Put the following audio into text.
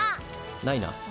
ないな。